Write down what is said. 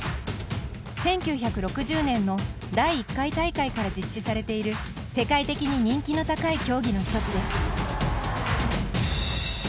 １９６０年の第１回大会から実施されている世界的に人気の高い競技の一つです。